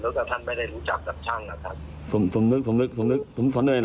แล้วก็ท่านไม่ได้รู้จักกับช่างนะครับสมนึกสมนึกสมนึกสมเนย